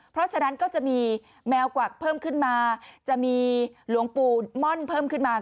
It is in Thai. เพราะฉะนั้นก็จะมีแมวกวักเพิ่มขึ้นมาจะมีหลวงปู่ม่อนเพิ่มขึ้นมา